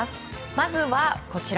まずは、こちら。